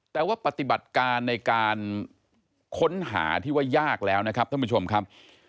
แต่ว่าปฏิบัติการในการค้นหาที่ว่ายากแล้วนะครับท่านผู้ชมครับ